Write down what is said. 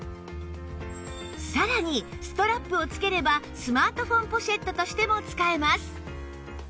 さらにストラップを付ければスマートフォンポシェットとしても使えます